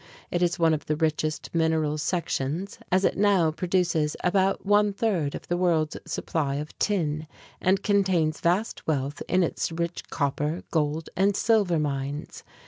It is one of the richest mineral sections, as it now produces about one third of the world's supply of tin, and contains vast wealth in its rich copper, gold, and silver mines.